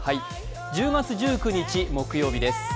１０月１９日木曜日です。